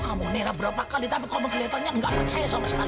tahu kamu nela berapa kali tapi kamu kelihatannya gak percaya sama sekali